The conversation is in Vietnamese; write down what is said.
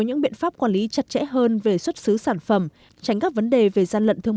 những biện pháp quản lý chặt chẽ hơn về xuất xứ sản phẩm tránh các vấn đề về gian lận thương